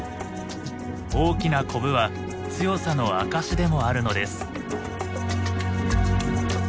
大きなコブは強さの証しでもあるのです。